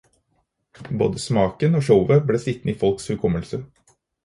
Både smaken og showet ble sittende i folks hukommelse.